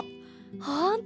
ほんと！